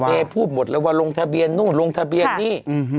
พูดหมดเลยว่าลงทะเบียนนู่นลงทะเบียนนี่